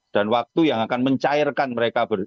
dan waktu yang akan mencairkan mereka